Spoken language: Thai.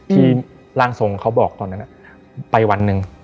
ร่างทรงเขาบอกตอนนั้นไปวันหนึ่ง